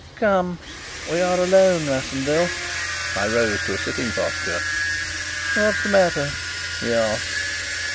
"Come, we are alone, Rassendyll " I rose to a sitting posture. "What's the matter?" he asked.